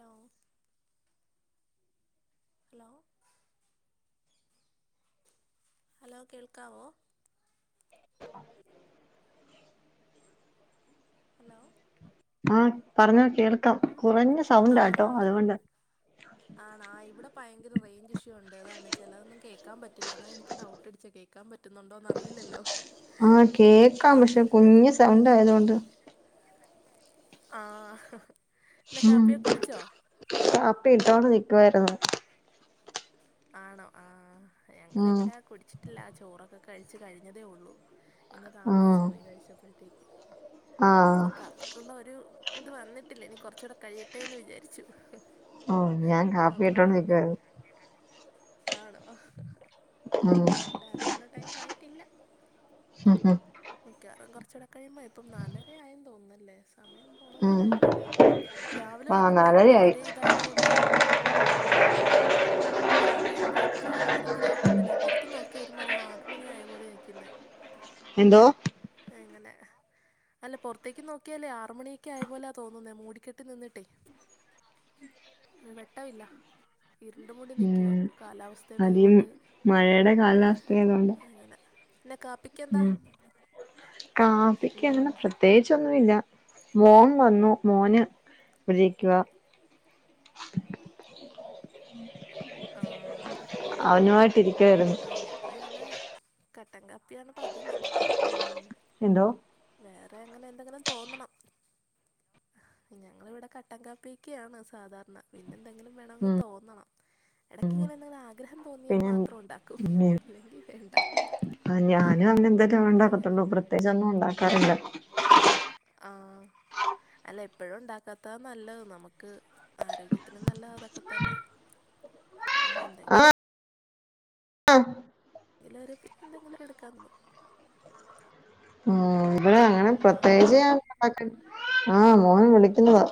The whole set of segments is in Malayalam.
ഹലോ ഹലോ ഹലോ കേൾക്കാവോ [inaudible] ഹലോ ആഹ് പറഞ്ഞോ കേൾക്കാം കുറഞ്ഞ ആ സൗണ്ടാട്ടോ അതുകൊണ്ടാ ആണാ ആഹ് ഇവിടെ ഭയങ്കര റേഞ്ച് ഇഷ്യൂ ഉണ്ട് അതാണ് ചിലതൊന്നും കേക്കാൻ പറ്റില്ല അതാ എനിക്ക് ഡൗട്ട് അടിച്ചേ കേൾ കേക്കാൻ പറ്റുന്നുണ്ടോന്ന് അറിയില്ലല്ലോ കേൾക്കാം പക്ഷേ കുഞ്ഞു എന്തേ സൗണ്ട് ആയതുകൊണ്ട് ആഹ് ഉം കാപ്പി ഇട്ടോണ്ട് നിക്കുവായിരുന്നു ആണോ ആഹ് ഉം ഞങ്ങളിവിടെ കുടിച്ചിട്ടില്ല ചോറൊക്കെ കഴിച്ചു കഴിഞ്ഞതേ ഉള്ളൂ ഇന്ന് താമസിച്ചു ഉം പോയി കഴിച്ചപ്പോഴത്തേക്ക് ആഹ് അപ്പൊ കാപ്പി ക്കുള്ള ഒരു ഇത് വന്നിട്ടില്ല ഇനി കുറച്ചൂടെ കഴിയട്ടെ എന്ന് വിചാരിച്ചു ഓഹ് ഞാൻ അപ്പം കാപ്പിട്ടോണ്ട് പിന്നെ നിക്കുവാരുന്നു ആണോ ഉം ആഹ് ഇവിടെ അതിനുള്ള ടൈം ആയിട്ടില്ല ഉം ഉം മിക്കാറും കുറച്ചൂടെ കഴിയുമ്പോൾ ഇപ്പം നാലര ആയെന്നു തോന്നുന്നല്ലേ സമയം പൊണത് ഉം അറിയുന്നില്ല രാവിലെ ആഹ് തൊട്ട് പ്രകൃതി നാലരയായി ഒരേ ഇതായ [unintelligible] ഉം സമയം എത്രയാന്നു പോലും പിടികിട്ടുന്നില്ല പുറത്ത് നോക്കിയവര് പറയും ആറ് മണിയായ പോലെയാ നിക്കുന്നെ എന്തോ? അങ്ങനെ അല്ല പൊർത്തേക്ക് നോക്കിയാലേ ആറ് മണിയൊക്കെ ആയ പോലെയാ തോന്നുന്നേ മൂടിക്കെട്ട് നിന്നിട്ടേ വെട്ടവില്ല ഇരുണ്ടുമുടി നിക്കുവ ഉം കാലാവസ് സ്ഥേണെ അതീ കൊണ്ട് മഴയുടെ കാലാവസ്ഥയായതുകൊണ്ട് അങ്ങനെ പിന്നെ കാപ്പി ഉം കാപ്പിക്ക് ഉം അങ്ങനെ പ്ര ത്യേകിച്ചൊന്നുല്ല മോൻ വന്നു മോന് ഇവിടിരിക്കുവ മോൻ വന്നു മോന് അവനുവായിട്ട് ഇരിക്കുവായിരുന്നു ആഹ് ഞങ്ങളിങ്ങനെ കട്ടൻ കാപ്പിയാണ് പതിവ് ഉം എന്തോ വേറെ അങ്ങനെ എന്തെങ്കിലും തോന്നണം ഞങ്ങളിവിടെ കട്ടൻകാപ്പിയൊക്കെയാണ് സാധാരണ പിന്നെന്തെങ്കിലും വേണവെങ്കി തോന്നണം എടക്ക് ഇങ്ങനെ എന്തെങ്കിലും ആഗ്രഹം തോന്നിയാൽ മാത്രം ഉണ്ടാക്കും അല്ലെങ്കി വേണ്ട ആഹ് ഞാനും അങ്ങന്തേലും അങ്ങനെ ഉണ്ടാക്കത്തൊള്ളൂ പ്രത്യേകിച്ചൊന്നും ഉണ്ടാക്കാറില്ല ആഹ് അല്ല എപ്പഴും ഉണ്ടാക്കാത്ത നല്ലത് നമുക്ക് ആരോഗ്യത്തിനും നല്ലത് അതൊക്കെ തന്നെ പിന്നെ എന്ത ആഹ് എല്ലാര്ക്കും എന്തെങ്കിലും എടുക്കാന്നമ്മക്ക് ഉം ഇവിടെ അങ്ങനെ പ്രത്യേകിച്ച് ഞാൻണ്ടാക്ക [unintelligible] ആഹ് മോൻ വിളിക്കുന്നതാ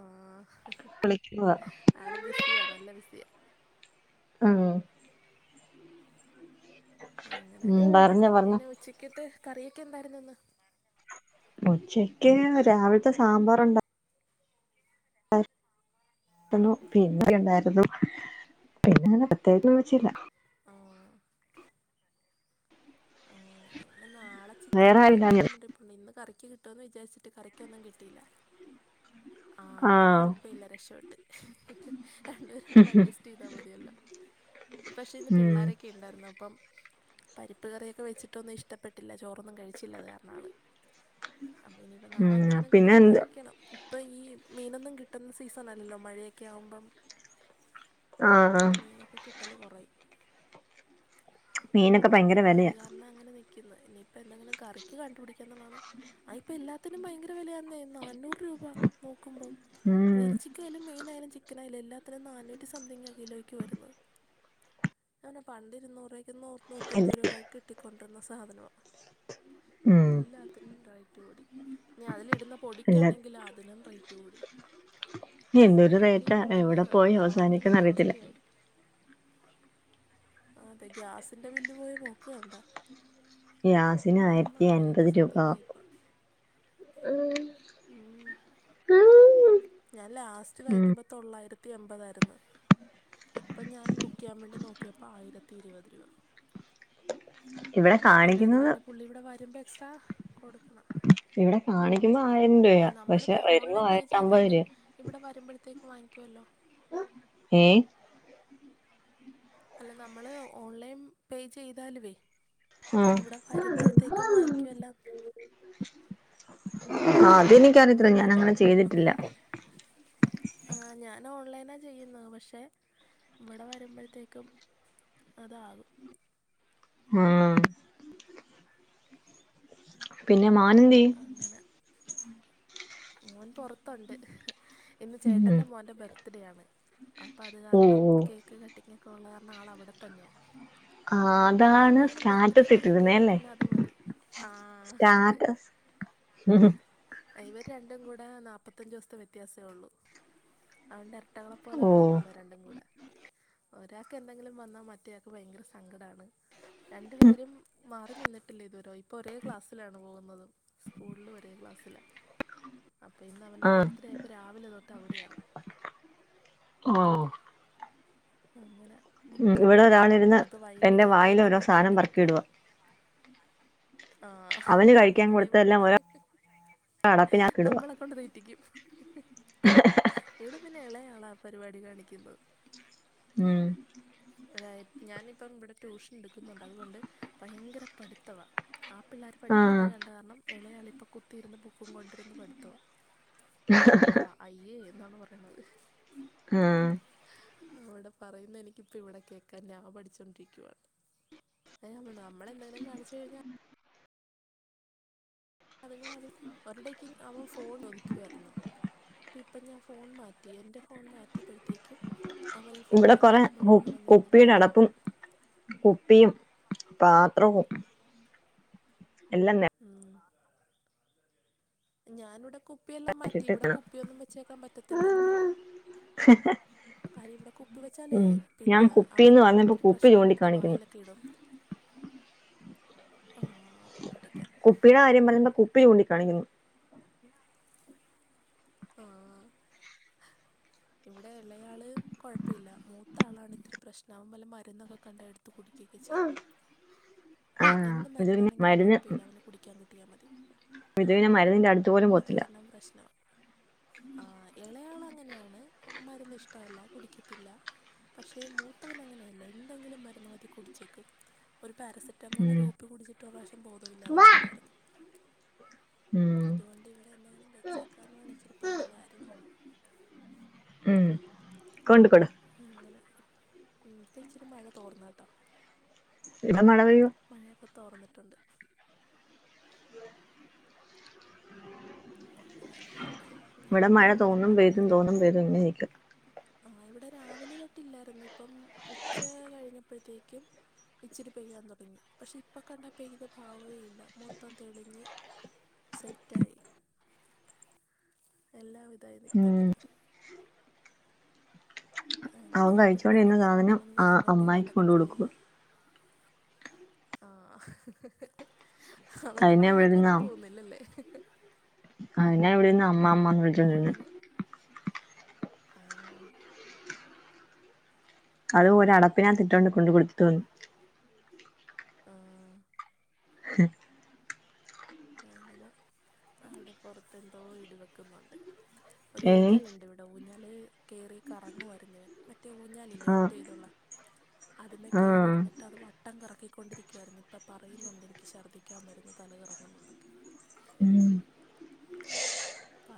ആഹ് വിളിക്കുന്നതാ ആള് ബിസിയാ നല്ല ബിസിയ ആഹ് അങ്ങനെ ഉം പറഞ്ഞോ പറഞ്ഞോ പിന്നെ ഉച്ചക്കെത്തെ കറിയൊക്കെ എന്തായിരുന്നു ഇന്ന് ഉച്ചക്ക് രാവിൽത്തെ സാമ്പാറുണ്ടാ ണ്ടായിരുന്നു പിന്നെ [unintelligible] ഉണ്ടായിരുന്നു പിന്നെ അങ്ങെനെ പ്രത്യേകിച്ചൊന്നും വെച്ചില്ല ആഹ് ആഹ് ഞങ്ങള നാളെ ചിക്കൻ വേറെ ആരുമില്ലാഞ്ഞിട്ട് വാങ്ങിക്കണന്നുണ്ട് ഇന്ന് കറി കിട്ടും എന്ന് വിചാരിച്ചിട്ട് കറിക്കൊന്നും കിട്ടിയില്ല. ആഹ് അപ്പൊ കൊഴപ്പില്ല രക്ഷപെട്ട് രണ്ടുപേരാവുമ്പോ അഡ്ജസ്റ്റ് ചെയ്താ മതിയല്ലോ പക്ഷെ ഇന്ന് ഉം പിള്ളാരൊക്കെ ക്കെ ഇണ്ടായിരുന്നു അപ്പം പരിപ്പ് കറിയൊക്കെ വെച്ചിട്ടൊന്നും ഇഷ്ടപ്പെട്ടില്ല ചോറൊന്നും കഴിച്ചില്ലത് കാര ഇന്നാള് അപ്പൊ ഇനിയിപ്പോ നാളെ ഉം എന്തെങ്കിലും പിന്നെ കറിക്ക് എന്ത് വാങ്ങിക്കണം ഇപ്പയീ മീനൊന്നും കിട്ടുന്ന സീസണല്ലല്ലോ മഴയൊക്കെയാവുമ്പം ആഹ് മീനൊക്കെ കിട്ടല് കൊറയും മീനൊക്കെ ഭയങ്കര ആഹ് അത് വിലയാ കാരണം അങ്ങനെ നി ക്കുന്ന് ഇനിയിപ്പന്തെങ്കിലും കറിക്ക് കണ്ടുപിടിക്കന്നാണ് ആ ഇപ്പൊ എല്ലാത്തിനും ഭയങ്കര വെലയാന്നേ നാന്നൂറ് രൂപ നോക്കുമ്പം ഉം എറച്ചിക്കായാലും മീനായാലും ചിക്കനായാലും എല്ലാത്തിനും നാന്നുറ്റി സംതിങ കിലോയ്ക്ക് വരുന്നത് അതന്നെ പണ്ട് ഇരുന്നൂറ് രൂപക്കും നൂറ് ഇല്ല നൂറ്റമ്പത് രൂപക്ക് കിട്ടിക്കൊണ്ടിരുന്ന സാധനവാ ഉം എല്ലാത്തി നും റയ്റ്റ് കൂടി ഇനി അതിലിടുന്ന ഇല്ല പൊടിക്കാണെങ്കിലാ അതിനും റെയ്റ്റ് കൂടി ഇനി എന്തൊരു മസാലയൊക്കെ റേറ്റാ ഇപ്പൊ വല്ല എവിടെ പോയി അവസാനിക്കുംന്ന് അളന്നിടണ്ട അറിയത്തില്ല അവസ്ഥയായി അതെ ഗ്യാസിന്റെ ബില്ല് പോയ പോക്ക് കണ്ടാ? ഗ്യാസിന് എന്തോന്ന ആയിരത്തി അൻപത് രൂപ സംതിങ്ങായി ഇ ഇപ്പൊ ഉം ഞാൻ ലാസ്റ്റ് ഉം വാങ്ങിക്കുമ്പോ തൊള്ളായിരത്തി എമ്പതായിര്ന്ന് ഇപ്പം ഞാൻ ബുക്കെയ്യാൻ വേണ്ടി നോക്കിപ്പൊ ആയിരത്തി ഇരുപത് രൂപ ഇവിടെ പിന്നെ അത് കാണിക്കുന്നത് കഴിഞ്ഞ് പുള്ളിവിടെ വരുമ്പ എക്സ്ട്രാ കൊടുക്കണം ഇവിടെ കാണിക്കുമ്പം ആയിരം ആ രൂപയാ നമ്മൾ പക്ഷെ പേ വരുമ്പോ ഓൺലൈൻ പേ ആയിരത്തി അമ്പത് ചെയ്താലും രൂപ ഇവിടെ വരുമ്പഴത്തേക്ക് വാങ്ങിക്കുവല്ലോ? ഏഹേ? അല്ല നമ്മള് ഓൺലൈൻ പേ ചെയ്താലുവേ ആ ഇവിടെ വരമ്പഴത്തേക്ക് തും വാങ്ങിക്കുവല്ലോ ആഹ് അതെനിക്കറിയത്തില്ല അങ്ങനെ ഞാനങ്ങനെ ചെയ്തിട്ടില്ല ആഹ് ഞൻ ഓൺലൈനാ ചെയ്യുന്നത് പക്ഷെ ഇവിടെ വരമ്പഴത്തേക്കും അതാകും ആഹ് പിന്നെ മോനെന്ത്യോ? അങ്ങനെ മോൻ പൊറത്തുണ്ട് ഇന്ന് ഉം ചേട്ടന്റെ മോന്റ ബർത്ത്ഡേയാണ് അപ്പ അത് ഓ കാരണം ഓ കേക്ക് കട്ടിങ്ങൊക്കെ ഒള്ള കാരണം ആൾ അവിടെത്തന്നെയ ആ അതാണ് ആർടെയെങ്കിലും സ്റ്റാറ്റസ് ബർത്ത്ഡേന്ന് കേട്ട് ഇട്ടിരുന്നേ കഴിഞ്ഞ അല്ലേ പിന്നെ അത് മതി ആഹ് അതെ ങ് ആ ഇവര് രണ്ടും കൂട നാല്പ്പത്തഞ്ചു ദിവസത്തെ വ്യത്യാസെ ഒള്ളൂ അതോണ്ട് എരട്ടകളപോലെ ഓ നടക്കുന്ന രണ്ടും കൂടെ ഒരാക്ക് എന്തെങ്കിലും വന്നാ മറ്റയാക്ക് ഭയങ്കര സങ്കടവാണ് രണ്ടു പേരും മാറി നിന്നിട്ടില്ല ഇതുവരെ ഇപ്പോ ഒരേ ക്ലാസ്സിലാണ് പോകുന്നത് സ്കൂളിലും ഒരേ ക്ലാസ്സില അപ്പ ഇന്ന് അവൻ്റെ ബർത്ത്ഡേ ആയപ്പൊ രാവിലെ തൊട്ട് അവിടെയ ഓഹോ അങ്ങനെ നിപ്പുണ്ട് ഇവിടെ ഒരാളിരുന്ന് ഇനിയിപ്പോ വൈകിട്ട് എന്റെ കേക്ക് വായിൽ ഓരോ കട്ടിങ്ങൊക്കെ സാധനം ആയിട്ടൊക്കെ പോവും പറക്കിയിടുവാ ആഹ് അവന് അത് കഴിക്കാൻ ഇവടെയുമുണ്ട് കൊടുത്തതെല്ലാം ഓരോ അടപ്പിനാക്കിടുവാ നമ്മളെ കൊണ്ട് വെ ട്ടിക്കും ഇവിടെ പിന്നെ എളയാള ആ പരിപാടി കാണിക്കുന്നത് ഉം തയാലും ഞാനിപ്പം ഇവടെ ട്യൂഷൻ എടുക്കുന്നുണ്ട് അതുകൊണ്ട് ഭയങ്കര പഠിത്തവ ആ പിള്ളാര് ആഹ് പഠിക്കുന്ന കണ്ട കാരണം ഇളയാള്പ്പ കുത്തിയിരുന്ന് ബുക്കും കൊണ്ടിരുന്നു പഠിത്തവാ ഐ ആ അയ്യോ എന്നാണ് പറയ്ന്നത് ആഹ് അവിടെ പറയുന്ന എനിക്കിപ്പ ഇവിടെ കേക്കാം ഞാൻ പഠിച്ചോണ്ടിരിക്കുവ ഇല്ല നമ്മൾ എന്തെലും കാണിച്ച് കഴിഞ്ഞാൽ അത്ങ്ങള് അത് [unintelligible] അവൻ ഫോൺ ഒദിക്കുവായിരുന്നു ഇപ്പം ഞാൻ ഫോൺ മാറ്റി എന്റെ ഫോൺ മാറ്റിയപ്പഴത്തേക്കും അവളും ഫോൺ ഇവിടെ മാറ്റി കൊറെ പിള്ളേരുടെ കു കൂടെ വന്നിരിന്ന് കുപ്പിയുടെ കളിക്കും അടപ്പും കുപ്പിയും പാത്രവും അല്ലല്ല ഉം ഞാൻ ഇവിടെ കുപ്പിയെല്ലാം മാറ്റി നിറച്ചിട്ട് ഇവിടെ ക്കണം കുപ്പിയൊന്നും വെച്ചേക്കാൻ പറ്റത്തില്ല [unintelligible] കാര്യം ഇവിടെ കുപ്പി വെച്ചാലേ ഉം പിന്ന ഞാൻ അവൻ കുപ്പീന്ന് പറഞ്ഞപ്പോ ഇത്തിരി കുപ്പി പ്രശ്നം ആണ് എടുത്ത് ചൂണ്ടിക്കാണിക്കുന്നു വായിലൊക്കെ ഇടും ആഹ് കുപ്പിടെ കാര്യം പറഞ്ഞപ്പ കുപ്പി ചൂണ്ടിക്കാണിക്കുന്ന് [unintelligible] ആഹ് ഇവിടെ എളയാള് കൊയപ്പല്ല മൂത്ത ആളാണ് ഇത്തിരി പ്രശ്നം അവൻ വല്ല മര്ന്നൊക്കെ കൊണ്ടേ എടുത്ത് കുടിക്കും ക്കെ ചെയ്യും അത് ആഹ് എന്ത് ഇത് പിന്നെ മര്ന്നാണെങ്കിലും മരുന്ന് കുഴപ്പല്ല അവന് കുടിക്കാൻ കിട്ടിയാൽ മതി ഇത് പിന്നെ മരുന്ന്ന്റെ അടുത്ത് പോലും പോവത്തില്ല അതും പ്രശ്നാ ആഹ് എളയാള് അങ്ങനെയാണ് മരുന്ന് ഇഷ്ടല്ല കുടിക്കത്തില്ല പക്ഷെ മൂത്തവൻ അങ്ങനെയല്ല എന്തെങ്കിലും മര്ന്ന് മതി കുടിച്ചേക്കും ഒരു പാരസെറ്റ റ്റമോൾ ഉം ഒരു കുപ്പി കുടിച്ചിട്ട് ഒര് പ്രാവിശം ബോധമില്ലാതെ കെടന്നാരുന്നു ഉം അതുകൊണ്ട് ഇവിടെ എന്തെങ്കിലും വെച്ചേക്കാന്ന് വെച്ച ഇച്ചിരി പാടുള്ള കാര്യമാണ് ഉം അത്‌ കൊണ്ട് കൊട അങ്ങനെ ഉം ഇപ്പൊ ഇച്ചിരി മഴ തോർന്ന് കേട്ടോ ഇവ്ടെ മഴയാ മഴയൊക്കെ തോർന്നിട്ടുണ്ട് അങ്ങനെ ഇവിടെ വെയിലൊക്കെ മഴ വന്ന് തോന്നും നിൽപ്പുണ്ട് പെയ്തും തോന്നും പെയ്തും ഇങ്ങനെ ഒക്കെ ആഹ ഇവിടെ രാവിലെ തൊട്ടില്ലായിരുന്നു ഇപ്പം ഉച്ച കഴിഞ്ഞപ്പഴത്തേക്കും ഇച്ചിരി പെയ്യാൻ തുടങ്ങി പക്ഷെ ഇപ്പൊ കണ്ടാ പെയ്ത ഭാവമേ ഇല്ല മൊത്തം തെളിഞ്ഞ് സെറ്റ് ആയി നല്ല ഒരിതായി നിപ്പുണ്ട് ഉം ങ്ങനെ അവൻ ആ കഴിച്ചോണ്ടിരുന്ന പിള്ളോരൊക്കെ രണ്ട് സാധനം മൂന്നു ആ പേര് അങ്ങോട്ടും അമ്മായിക്ക് ഇങ്ങോട്ടൊക്കെ കൊണ്ട് കൊടുക്കുക പോവ്ന്നു ആഹ അവന്റെ അതിനെ വായിലെക്കൊന്നും പോവ്ന്നില്ലല്ലേ ആഹ് എന്നെ ഇവിടെന്ന് അമ്മാ അമ്മാന്ന് വിളിച്ചോണ്ട് വന്ന് ഉം അത് ഒരടപ്പിനകത്തു ഇട്ടോണ്ട് കൊണ്ട് കൊടുത്തു ഉം [unintelligible] അങ്ങനെ അവിടെ പുറത്തെന്തോ ഇടിവെക്കുന്നുണ്ട് ഒരു ഏ ഊഞ്ഞാലുണ്ട് ഇവി ഊഞ്ഞാൽല് കയറി കറങ്ങുവായിരുന്നവൻ മറ്റേ ഊഞ്ഞാലില്ലേ ആഹ് ഒറ്റ ഇതുള്ള അതിമേ കേറി ആഹ് ഇരുന്നിട്ട് അത് വ ട്ടം കറക്കിക്കൊണ്ടിരിക്കുവായിരുന്നു ഇപ്പം പറയുന്നുണ്ട് എനിക്ക് ഛദ്ദിക്കാൻ വരുന്നു തലകറങ്ങുന്നുന്നൊക്കെ. ഉം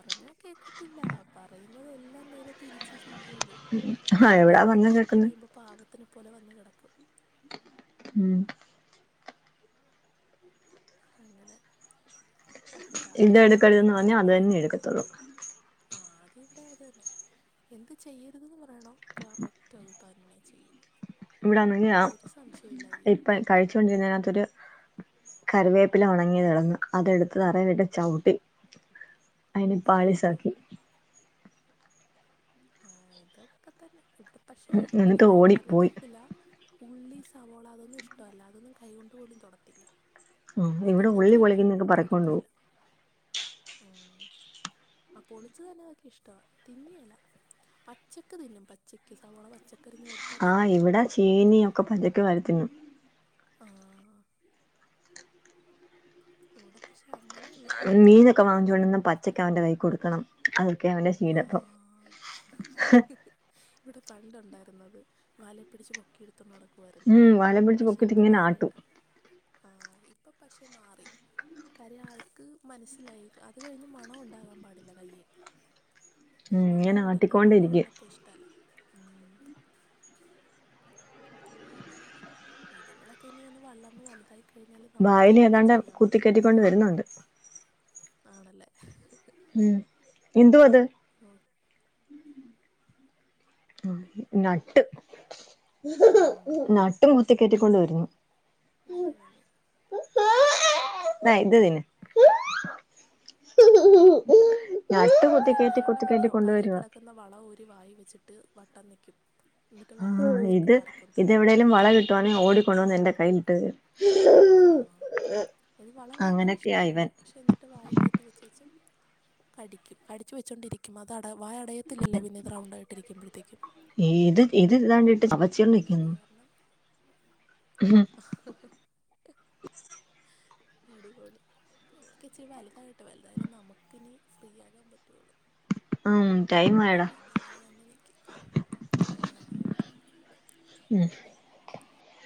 പറഞ്ഞ കേക്കത്തില്ല പറയുന്നതെല്ലാം നേര തിരിച്ച് ചെയ്യൊള്ളൂ ആ എന്നാ എവിടാ പറഞ്ഞ വയ്യാണ്ടായി കേക്കുന്നെ കഴിയുമ്പോ പാവത്തിനെ പോലെ വന്ന കടക്കും. ഉം അങ്ങനെ ആ ഇത് കാക്കയൊക്കെ അവിടെ എട്ക്കര്തെന്ന് പറഞ്ഞാ അതെന്നെ എട്ക്കത്തൊള്ളൂ. ആദ്യ വടെ അതെന്നെ എന്ത് ചെയ്യര്തെന്ന് പറയണോ കറക്റ്റ് അത് തന്നെ ചെയ്യും. ഇവട ഒരു [unintelligible] സംശയമില്ല ചെയ്യും ഇപ്പൊ കഴിച്ചോണ്ടിര്ന്നേ നകത്തൊര് കറിവേപ്പില ഒണങ്ങിയത [unintelligible] അതെട്ത്ത് തറേല്ട്ട് ചവ്ട്ടി അയ്‌നെ ആ പാളിസാക്കി. ആഹ് ഇത്തൊക്കെ തെന്നെ ഇവടെ പക്ഷെ ഈ എന്നിട്ട് ഓടിപ്പോയി കറിവേപ്പിലാ ഉള്ളി, സവോള അതൊന്നുഷ്ടല്ല അതൊന്നും കൈകൊണ്ട് പോലും തൊടത്തില്ല. അത് ഇവിടെ ഉള്ളി തിന്നത്തുല്ല പൊളിക്കുന്നൊക്കെ പറക്കൊണ്ട് പോവും തൊടത്തുല്ല ഉം ആഹ് പൊളിച്ച് തന്നതൊക്കിഷ്ടവാ തിന്നേല പച്ചക്ക് തിന്നും പച്ചക്ക് സവോള പച്ചക്കരിഞ്ഞ കൊട് ആഹ് ഇവടെ ചേന്യൊക്കെ പഞ്ഞക് വരി തിന്നും. ആഹ് ഇവടെ പക്ഷെ അങ്ങനെയില്ല മീനൊക്കെ വാങ്ങിച്ചൊണ്ടന്ന് പച്ചക്കവന്റെ കൈ കൊട്ക്കണം അതൊക്കെ അവന്റെ ശീലപ്പം ഇവടെ പണ്ടുണ്ടായിരുന്നത് വാലെ പിടിച്ച് പൊ കിട്ത്തൊണ്ട് നടക്കുവായിര്ന്ന് ഉം വല പിടിച്ച് പക്ഷേ പൊക്കിട്ട് ഇപ്പം ഇങ്ങനെ ആട്ടും മാറിയട്ടാ ആഹ് ഇപ്പം പക്ഷെ മാറി. കാര്യം ആൾക്ക് മനസ്സിലായി അത് കഴിഞ്ഞ് മണൊണ്ടാകാൻ പാടില്ല കയ്യ്. ഇത് ഉം ഇങ്ങനെ മണൊണ്ടല്ലോ മണ ആട്ടിക്കൊണ്ടിരിക്കും ഉള്ളപ്പഷ്ടല്ല. ഉം പ്പങ്ങനാണ് ഇത്ങ്ങളൊക്കെന്ന് ഒന്ന് വള്ളർന്ന് വല്തായി വായിലെതാണ്ട് കുത്തി കെറ്റിക്കൊണ്ട് വെരുന്നുണ്ട്. ആണല്ലേ. ഉം [unintelligible] ളം നട്ട് ഉം നട്ടും കുത്തിക്കെറ്റിക്കൊണ്ട് വരുന്നു. ദൈവമേ. താഇത് തിന്ന്.. നട്ട് കുത്തിക്കെറ്റി കുത്തികേറ്റി കൊണ്ട് വെരാ. ന്ന വള ഊരി വായി വെച്ചിട്ട് വട്ടം നിക്കും ന്നട്ട് വാ ആഹ് തോറന്ന് വെച്ചിട്ട് ഇത് കാറിക്കൊണ്ടിരിക്കും. ഇതെവിടേലും വള കിട്ടുവാണെ ഓടി കൊണ്ടോന്നെന്റെ കയ്യിലിട്ടെരും. ആഹ് ആഹ് ആഹ് ഇത് വള അങ്ങനൊക്കെയാ ഭയങ്കരിഷ്ടണ് ഇവൻ പക്ഷേ ന്നാ ട്ട് വായി കേറ്റി വെച്ചേച്ചും കടിക്കും അടച്ച് വെച്ചൊണ്ടിരി ക്യും. അത ടെ വായ ടയത്തില്ലല്ലോ പിന്നെത് റൗണ്ടായിട്ടിരിക്കുമ്പഴത്തേക്കും. ഈത് ഇത് കണ്ടിട്ട് അങ്ങനെ ചവച്ചോണ്ടിക്ക് അത് ന്ന്. കാരണം ഹ്ഹ.. അടിപൊളി. [unintelligible] ക്കിച്ചിരി വല്താവട്ടെ വല്തായാലേ നമക്കിനി ഫ്രീ യാക്കാം പറ്റൊള്ളൂ. ഉം ടൈം മായടാ. ഇങ്ങനെ തന്നെ നിക്കും ആഹ് ഓക്കെ മ്ഹ്